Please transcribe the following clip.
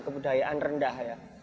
kebudayaan rendah ya